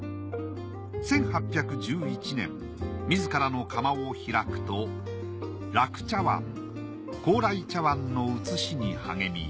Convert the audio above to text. １８１１年自らの窯を開くと楽茶碗高麗茶碗の写しに励み